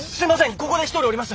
ここで１人降ります。